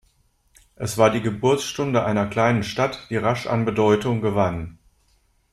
Es war die Geburtsstunde einer kleinen Stadt, die rasch an Bedeutung gewann.